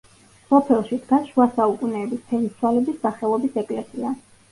სოფელში დგას შუა საუკუნეების ფერისცვალების სახელობის ეკლესია.